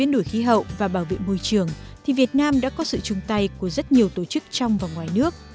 đổi khí hậu và bảo vệ môi trường thì việt nam đã có sự chung tay của rất nhiều tổ chức trong và ngoài nước